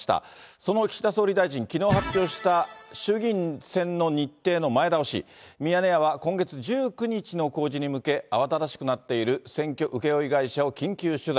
その岸田総理大臣、きのう発表した衆議院選の日程の前倒し、ミヤネ屋は今月１９日の公示に向け、慌ただしくなっている選挙請け負い会社を緊急取材。